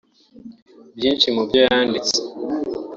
Byinshi mu byo yanditse